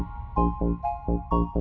stop gue urusin urusannya mel